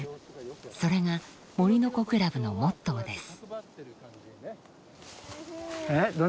それが森の子クラブのモットーです。